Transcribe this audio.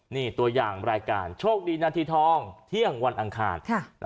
นี่ตัวอย่างรายการโชคดีนาทีทองเที่ยงวันอังคาร